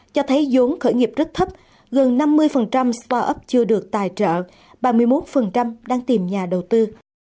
cho thấy dốn khởi nghiệp rất thấp gần năm mươi start up chưa được tài trợ ba mươi một đang tìm nhà đầu tư